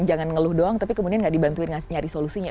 jangan ngeluh doang tapi kemudian gak dibantuin nyari solusinya